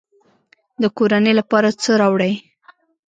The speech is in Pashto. د کورنۍ لپاره څه راوړئ؟